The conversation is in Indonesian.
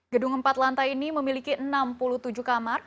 gedung empat lantai ini memiliki enam puluh tujuh kamar